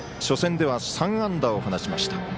初戦では３安打を放ちました。